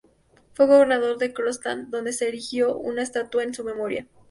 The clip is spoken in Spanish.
Fue gobernador de Kronstadt, donde se erigió una estatua en su memoria.